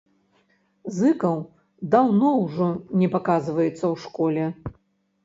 Зыкаў даўно ўжо не паказваецца ў школе.